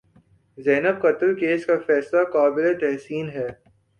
زینب قتل کیس کا فیصلہ قابل تحسین ہے